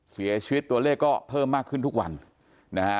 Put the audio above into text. เสียชีวิตตัวเลขก็เพิ่มมากขึ้นทุกวันนะฮะ